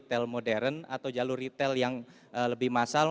jalur retail modern atau jalur retail yang lebih massal